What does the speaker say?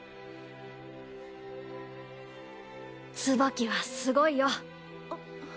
ツバキはすごいよ。